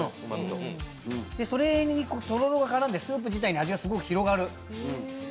それにとろろが絡んでスープ自体にすごく味が広がる。